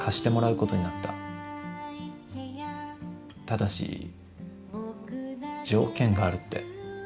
ただし条件があるって。